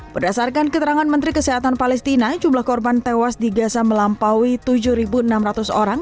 berdasarkan keterangan menteri kesehatan palestina jumlah korban tewas di gaza melampaui tujuh enam ratus orang